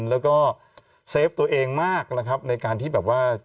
แล้วก็เซฟตัวเองมากนะครับในการที่แบบว่า